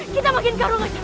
kita bikin karung aja